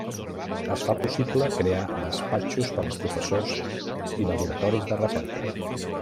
Es fa possible crear despatxos per als professors i laboratoris de recerca.